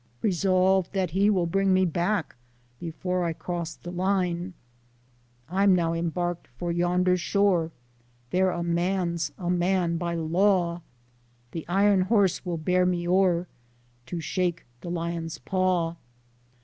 Resolved that he will bring me back, Before I cross de line ; I'm now embarked for yonder shore, There a man's a man by law ; The iron horse will bear me o'er, To shake de lion's paw.